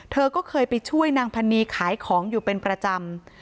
เธอก็เคยไปช่วยนางพันนีขายของอยู่เป็นประจำ